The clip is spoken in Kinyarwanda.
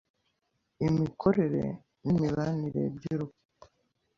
imikorere n’imibenire by’Urugo